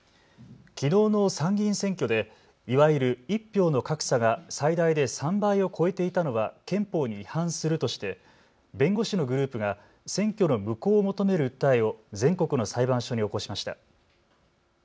きのうの参議院選挙でいわゆる１票の格差が最大で３倍を超えていたのは憲法に違反するとして弁護士のグループが選挙の無効を求める訴えを全国の裁判所に起こしました。